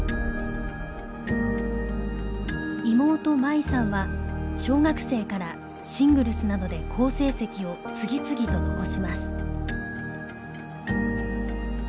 妹真衣さんは小学生からシングルスなどで好成績を次々と残します。